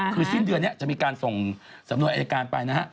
คือสิ้นเดือนนี้จะมีการส่งสำนวนอายการไปนะฮะ